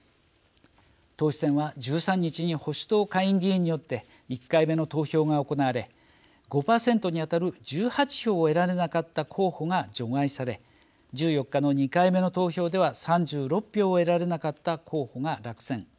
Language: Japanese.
党首選は１３日に保守党下院議員によって１回目の投票が行われ５％に当たる１８票を得られなかった候補が除外され１４日の２回目の投票では３６票を得られなかった候補が落選。